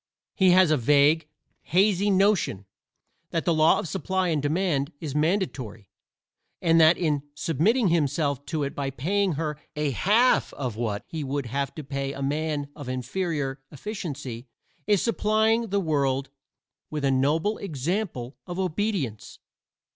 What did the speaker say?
He has a vague, hazy notion that the law of supply and demand is mandatory, and that in submitting himself to it by paying her a half of what he would have to pay a man of inferior efficiency he is supplying the world with a noble example of obedience.